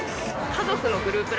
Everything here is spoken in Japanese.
家族のグループ